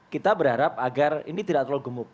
kita berharap agar ini tidak terlalu gemuk